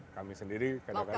kami sendiri kadang kadang